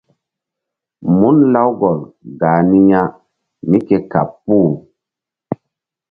Mun Lawgol gah ni ya mí ke kaɓ puh.